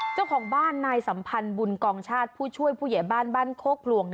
เจ้าของบ้านนายสัมพันธ์บุญกองชาติผู้ช่วยผู้ใหญ่บ้านบ้านโคกพลวง